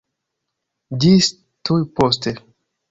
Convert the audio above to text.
Ĝis tuj poste!